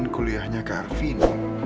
kuliahnya ke arvin